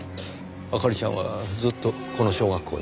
明里ちゃんはずっとこの小学校に？